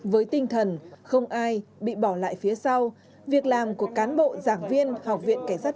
với tinh thần không ai bị bỏ lại phía sau việc làm của cán bộ giảng viên học viện cảnh sát